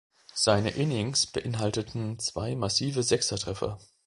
Seine Innings beinhalteten zwei massive Sechser-Treffer.